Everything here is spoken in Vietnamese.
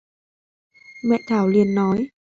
Mẹ Thảo liền nói